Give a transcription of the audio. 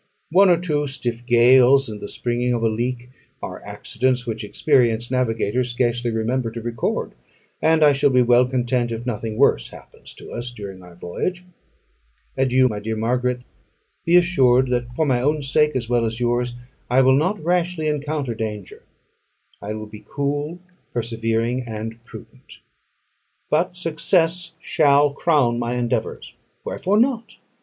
One or two stiff gales, and the springing of a leak, are accidents which experienced navigators scarcely remember to record; and I shall be well content if nothing worse happen to us during our voyage. Adieu, my dear Margaret. Be assured, that for my own sake, as well as yours, I will not rashly encounter danger. I will be cool, persevering, and prudent. But success shall crown my endeavours. Wherefore not?